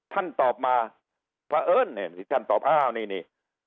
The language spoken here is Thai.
ท่านตอบมาเพราะเอิ้นท่านตอบอ้าวนี่นี่